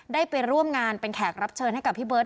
ได้ไปร่วมงานเป็นแขกรับเชิญให้กับพี่เบิร์